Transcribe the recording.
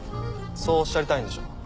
そうおっしゃりたいんでしょ？